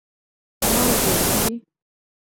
Mozekpli.